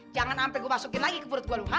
jangan sampe gua masukin lagi ke perut gua lu hah